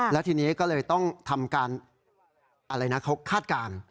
แล้วทีนี้ก็เลยต้องทำการอะไรนะเขาคาดการณ์